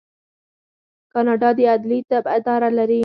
کاناډا د عدلي طب اداره لري.